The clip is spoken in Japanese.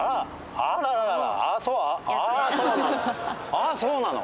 ああそうなの。